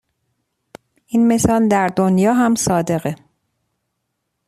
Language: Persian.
این مثال در دنیا هم صادقه.